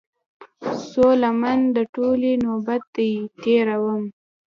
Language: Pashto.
څــــو لمـــن در ټولـــوې نوبت دې تېر وي.